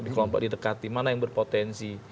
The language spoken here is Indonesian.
di kelompok didekati mana yang berpotensi